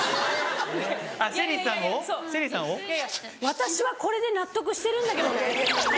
私はこれで納得してるんだけどねっていう。